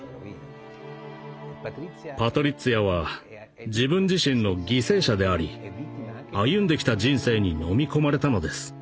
パトリッツィアは自分自身の犠牲者であり歩んできた人生にのみ込まれたのです。